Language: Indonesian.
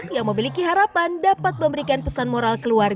yang memiliki harapan dapat memberikan pesan moral keluarga